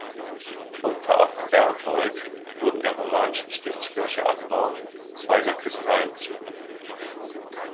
Unter Abt Berthold wurden der romanischen Stiftskirche Admont zwei Sakristeien zugefügt.